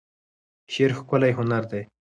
شعر ښکلی هنر دی.